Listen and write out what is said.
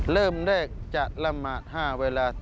เริ่มได้จัดลำบาด๕เวลา